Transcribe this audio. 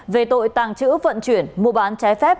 về tội tàng trữ vận chuyển mua bán trái phép